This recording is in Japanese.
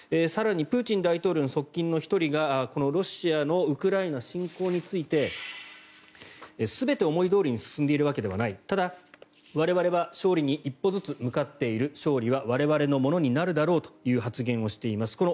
更に、プーチン大統領の側近の１人がこのロシアのウクライナ侵攻について全て思いどおりに進んでいるわけではないただ、我々は勝利に一歩ずつ向かっている勝利は我々のものになるだろうという発言をしています。